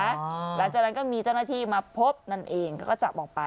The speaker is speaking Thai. หลังจากนั้นก็มีเจ้าหน้าที่มาพบนั่นเองเขาก็จับออกไป